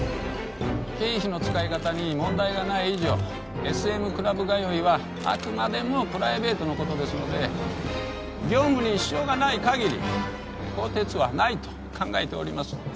経費の使い方に問題がない以上ＳＭクラブ通いはあくまでもプライベートの事ですので業務に支障がない限り更迭はないと考えております。